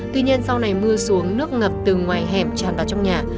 tuy nhiên sau này mưa xuống nước ngập từ ngoài hẻm tràn vào trong nhà